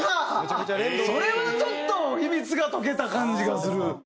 それはちょっと秘密が解けた感じがする。